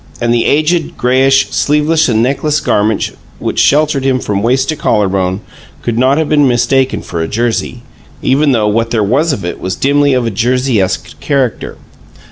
And the aged, grayish, sleeveless and neckless garment which sheltered him from waist to collar bone could not have been mistaken for a jersey, even though what there was of it was dimly of a jerseyesque character.